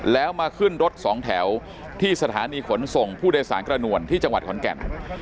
แล้วมาขึ้นรถสองแถวที่สถานีขนส่งผู้โดยสารกระนวลที่จังหวัดขอนแก่น